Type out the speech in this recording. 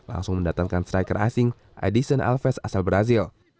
langsung mendatangkan striker asing edison alves asal brazil